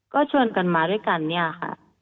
ก็ชวนกันมาด้วยกันเนี่ยค่ะ